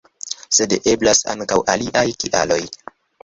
Sed eblas ankaŭ aliaj kialoj.